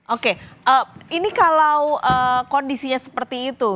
oke ini kalau kondisinya seperti itu